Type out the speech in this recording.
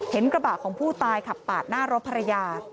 กระบะของผู้ตายขับปาดหน้ารถภรรยา